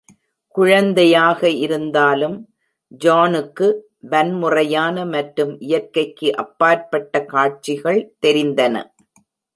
குழந்தையாக இருந்தாலும், ஜோனுக்கு வன்முறையான மற்றும் இயற்கைக்கு அப்பாற்பட்ட காட்சிகள் தெரிந்தன.